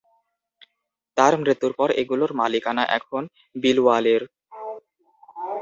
তাঁর মৃত্যুর পর এগুলোর মালিকানা এখন বিলওয়ালের।